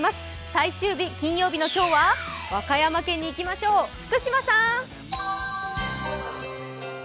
最終日、金曜日の今日は和歌山県にいきましょう、福島さん。